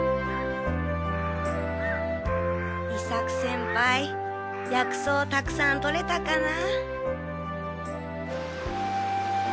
伊作先輩薬草たくさん採れたかな。